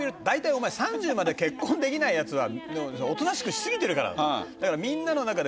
大体お前３０まで結婚できないやつはおとなしくしすぎてるからだと。